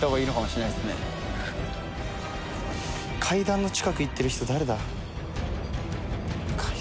階段の近く行ってる人誰だ？